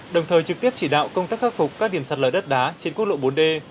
đồng thời trực tiếp chỉ đạo công tác khắc phục các điểm sạt lở đất đá trên quốc lộ bốn d